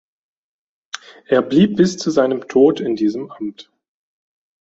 Er blieb bis zu seinem Tod in diesem Amt.